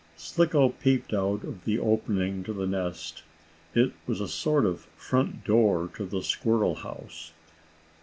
Slicko peeped out of the opening to the nest it was a sort of front door to the squirrel house.